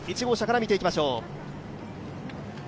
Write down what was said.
１号車から見ていきましょう。